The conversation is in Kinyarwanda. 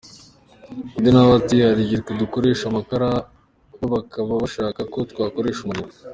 Undi nawe ati :”Hari igihe twe dukoresha amakara bo bakaba bashaka ko twakoresha amuriro.